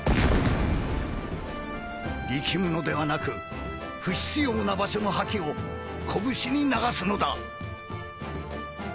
力むのではなく不必要な場所の覇気を拳に流すのだ